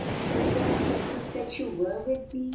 the first Christmas that you were with me."